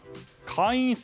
会員数